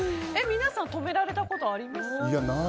皆さん止められたことありますか？